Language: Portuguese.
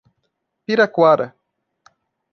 Piraquara